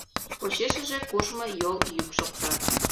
Почешыже куржмо йол йӱк шокта.